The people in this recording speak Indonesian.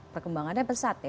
perkembangannya besar ya